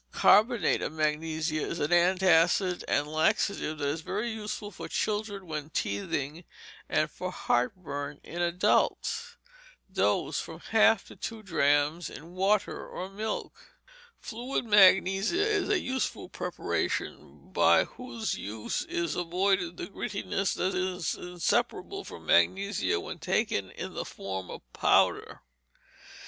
Carbonate of magnesia is an antacid and laxative, and is very useful for children when teething, and for heartburn in adults. Dose, from a half to two drachms, in water or milk. Fluid Magnesia is a useful preparation by whose use is avoided the grittiness that is inseparable from magnesia when taken in the form of powder.